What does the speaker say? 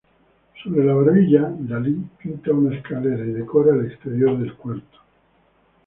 Sobre la barbilla, Dalí, pinta unas escaleras y decora el exterior del cuarto.